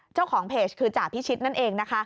เจ้าของเพจคือจ่าพิชิตนั่นเองนะคะ